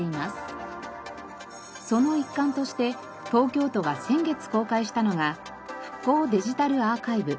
その一環として東京都が先月公開したのが復興デジタルアーカイブ。